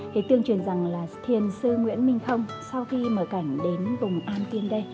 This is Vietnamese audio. thì tương truyền rằng là thiền sư nguyễn minh không sau khi mở cảnh đến vùng am tiên đây